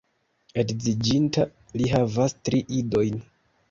Edziĝinta, li havas tri idojn.